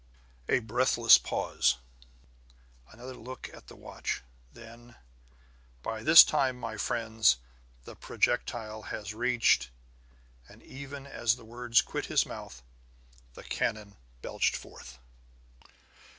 A breathless pause; another look at the watch, then: "By this time, my friends, the projectile has reached " And even as the words quit his mouth, the cannon belched forth.